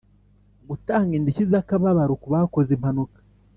gutanga indishyi z akababaro kubakoze impanuka